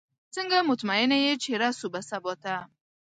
څنګه مطمئنه یې چې رسو به سباته؟